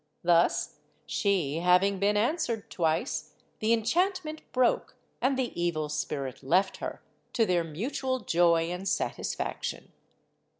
Thus, she having been answered twice, the enchantment broke, and the evil spirit left her, to their mutual joy and satisfaction.